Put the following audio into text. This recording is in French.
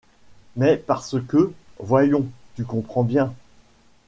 Mais parce que. .. voyons. .. tu comprends bien !...